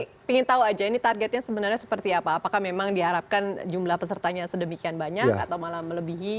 tapi ingin tahu aja ini targetnya sebenarnya seperti apa apakah memang diharapkan jumlah pesertanya sedemikian banyak atau malah melebihi